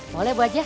boleh bu aja